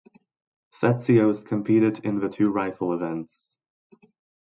Fetsios competed in the two rifle events.